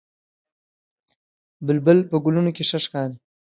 بلبل په ګلونو کې ښه ښکاري